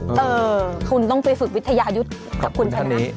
เออคุณต้องไปฝึกวิทยายุทธิ์ขอบคุณค่ะขอบคุณท่านเนธ